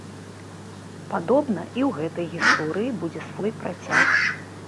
Падобна, і ў гэтай гісторыі будзе свой працяг.